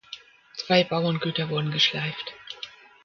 Zwei Bauerngüter wurden geschleift.